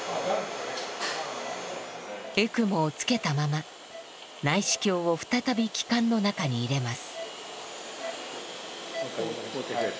エクモをつけたまま内視鏡を再び気管の中に入れます。